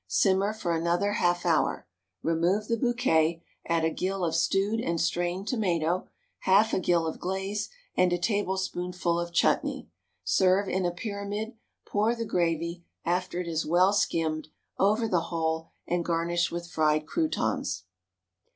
Simmer for another half hour. Remove the bouquet, add a gill of stewed and strained tomato, half a gill of glaze, and a tablespoonful of Chutney. Serve in a pyramid, pour the gravy, after it is well skimmed, over the whole, and garnish with fried croûtons.